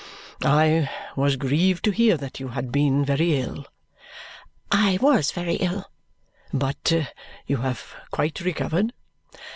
"I was grieved to hear that you had been very ill." "I was very ill." "But you have quite recovered?"